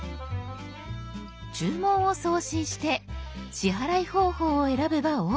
注文を送信して支払い方法を選べばＯＫ。